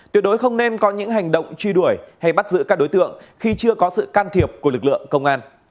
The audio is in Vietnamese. tuyệt đối không nên có những hành động truy đuổi hay bắt giữ các đối tượng khi chưa có sự can thiệp của lực lượng công an